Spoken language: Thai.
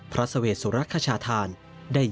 พระสเวสุรคชาธานได้ยัง